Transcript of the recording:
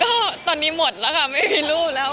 ก็ตอนนี้หมดแล้วค่ะไม่มีลูกแล้ว